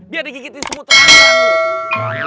biar digigitin semut rambutan